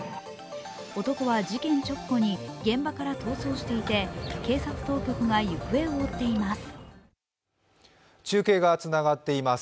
男は事件直後に現場から逃走していて、警察当局が行方を追っています。